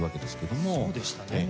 そうでしたね。